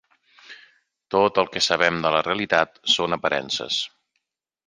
Tot el que sabem de la realitat són aparences.